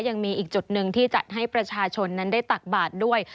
ยังมีอีกจุดหนึ่งที่จัดให้ประชาชนนั้นได้ตักบาทด้วย